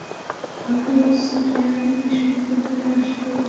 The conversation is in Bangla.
আবু সুফিয়ান বিস্মিত হয়ে অশ্ব থামায়।